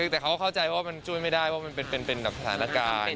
แต่เขาเข้าใจว่ามันช่วยไม่ได้เพราะมันเป็นแบบสถานการณ์